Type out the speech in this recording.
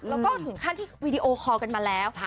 แล้วก็ถึงขั้นที่วีดีโอคอลกันมาแล้ว